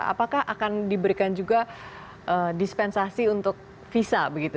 apakah akan diberikan juga dispensasi untuk visa begitu